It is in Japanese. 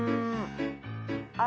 あ。